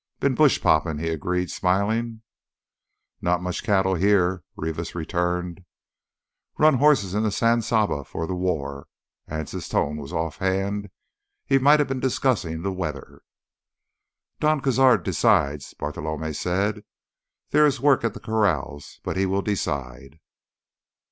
"Been bush poppin'," he agreed, smiling. "Not much cattle here," Rivas returned. "Run hosses in th' San Sabe 'fore th' war." Anse's tone was offhand, he might have been discussing the weather. "Don Cazar decides," Bartolomé said. "There is work at the corrals, but he will decide."